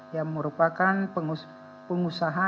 yang merupakan pengusaha